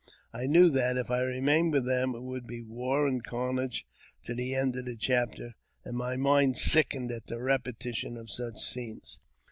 I knew that, if I remained with them, [it would be war and carnage to the end of the chapter, and ly mind sickened at the repetition of such scenes.